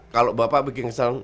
kalau bapak bikin kesal